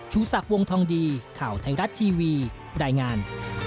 ชูศักดิ์วงทองดีข่าวไทยรัฐทีวีรายงาน